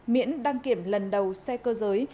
miễn đăng kiểm lần đầu xe cơ giới